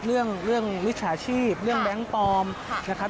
เรื่องมิจฉาชีพเรื่องแบงค์ปอมนะครับ